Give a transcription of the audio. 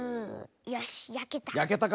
よしやけた。